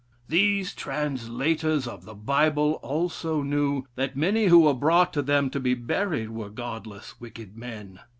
These translators of the Bible also knew that many who were brought to them to be buried were godless, wicked men.